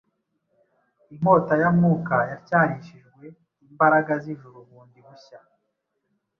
Inkota ya Mwuka yatyarishijwe imbaraga z’ijuru bundi bushya